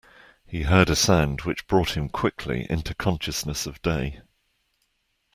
He heard a sound which brought him quickly into consciousness of day.